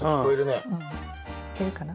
いけるかな。